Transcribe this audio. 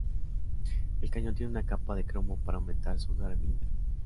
El cañón tiene una capa de cromo para aumentar su durabilidad.